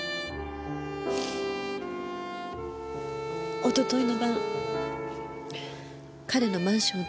おとといの晩彼のマンションを訪ねました。